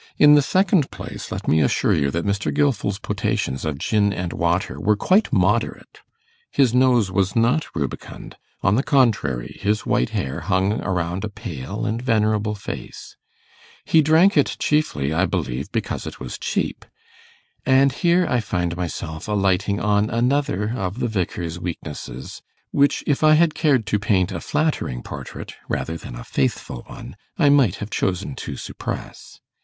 In the second place, let me assure you that Mr. Gilfil's potations of gin and water were quite moderate. His nose was not rubicund; on the contrary, his white hair hung around a pale and venerable face. He drank it chiefly, I believe, because it was cheap; and here I find myself alighting on another of the Vicar's weaknesses, which, if I had cared to paint a flattering portrait rather than a faithful one, I might have chosen to suppress.